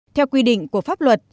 theo quy định của pháp luật